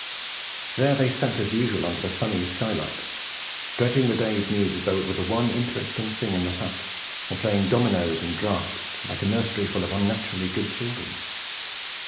There they sat as usual under the sunny skylights, dredging the day's news as though it were the one uninteresting thing in the hut, or playing dominoes and draughts, like a nurseryful of unnaturally good children.